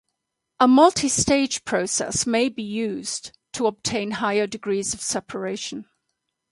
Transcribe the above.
A multistage process may be used to obtain higher degrees of separation.